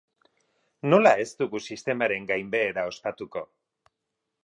Nola ez dugu sistemaren gainbehera ospatuko?